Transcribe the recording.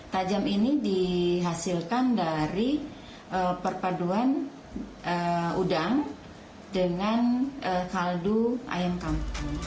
tajam ini dihasilkan dari perpaduan udang dengan kaldu ayam kampung